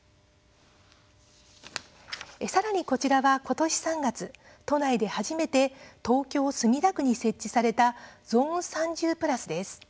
さらに、こちらは今年３月都内で初めて東京・墨田区に設置されたゾーン３０プラスです。